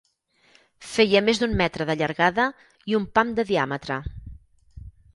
Feia més d'un metre de llargada i un pam de diàmetre